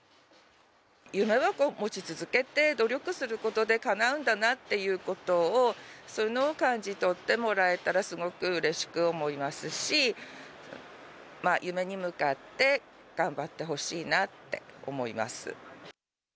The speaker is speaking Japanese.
夢は、持ち続けて努力することで、かなうんだなっていうことを、それを感じ取ってもらえたら、すごくうれしく思いますし、夢に向かって頑張ってほしいなって思います。